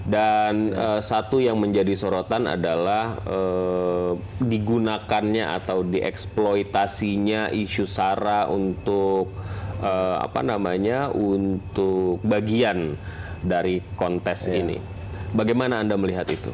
dan satu yang menjadi surotan adalah digunakannya atau dieksploitasinya isu sara untuk bagian dari kontes ini bagaimana anda melihat itu